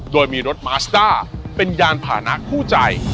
โดยมีรถมาสเตอร์เป็นยานผ่านักคู่ใจ